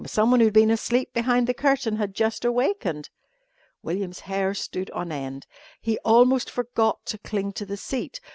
Someone who had been asleep behind the curtain had just awakened. William's hair stood on end. He almost forgot to cling to the seat.